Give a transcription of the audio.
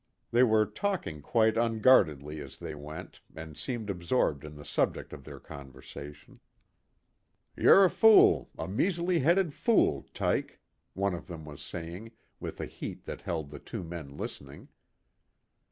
They were talking quite unguardedly as they went, and seemed absorbed in the subject of their conversation. "Y're a fool, a measly headed fool, Tyke," one of them was saying, with a heat that held the two men listening.